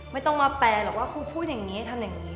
ไม่ต้องมาแปลหรอกว่าครูพูดอย่างนี้ทำอย่างนี้